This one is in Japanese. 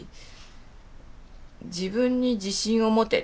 「自分に自信をもて」。